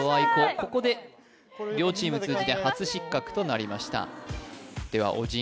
ここで両チーム通じて初失格となりましたではオジン